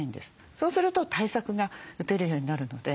そうすると対策が打てるようになるので。